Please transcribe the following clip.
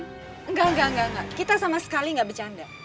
tidak tidak kita sama sekali tidak bercanda